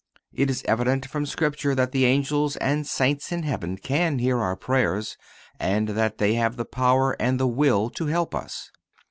It is evident from Scripture that the Angels and Saints in heaven can hear our prayers and that they have the power and the will to help us.